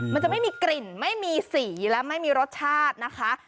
มันจะไม่มีกลิ่นไม่มีสีและไม่มีรสชาตินะคะ